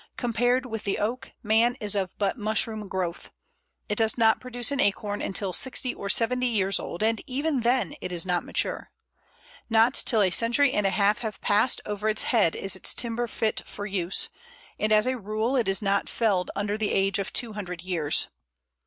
Compared with the Oak, man is but of mushroom growth. It does not produce an acorn until sixty or seventy years old, and even then it is not mature. Not till a century and a half have passed over its head is its timber fit for use, and as a rule it is not felled under the age of two hundred years.